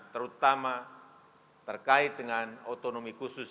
terutama terkait dengan otonomi khusus